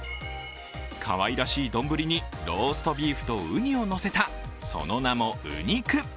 かわいらしい丼にローストビーフとうにをのせた、その名もうにく。